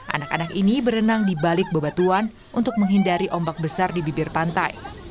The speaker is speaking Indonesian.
anak anak ini berenang di balik bebatuan untuk menghindari ombak besar di bibir pantai